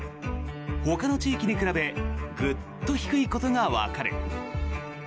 ほかの地域に比べグッと低いことがわかる。